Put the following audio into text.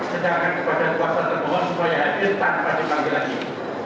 sedangkan kepada puasa termohon supaya hadir tanpa dipanggil lagi